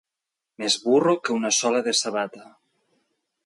Més burro que una sola de sabata.